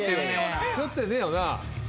ひよってねえよな？